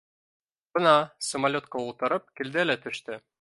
Бына, самолетҡа ултырып, килде лә төштө